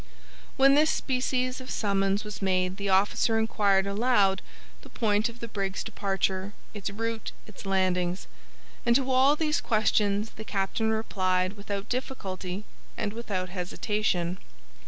When this species of summons was made the officer inquired aloud the point of the brig's departure, its route, its landings; and to all these questions the captain replied without difficulty and without hesitation.